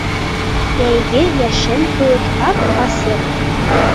— Йәйге йәшен кеүек ап-асыҡ.